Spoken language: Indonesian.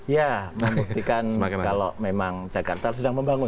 ya membuktikan kalau memang jakarta sedang membangun